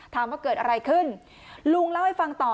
ถามว่าเกิดอะไรขึ้นลุงเล่าให้ฟังต่อ